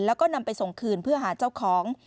แล้วก็นำไปส่งคืนเพื่อหาเจ้าของ